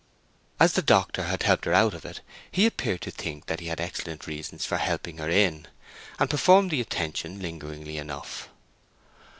As the doctor had helped her out of it he appeared to think that he had excellent reasons for helping her in, and performed the attention lingeringly enough.